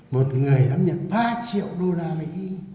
một người ấm nhận ba triệu đô la mỹ